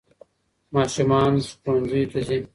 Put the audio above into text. ماشومان ښوونځیو ته ځي.